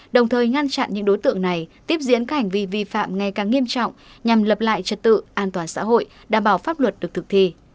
đồng thời ngăn chặn những đối tượng này tiếp diễn các hành vi vi phạm ngay càng nghiêm trọng nhằm lập lại trật tự an toàn xã hội đảm bảo pháp luật được thực thi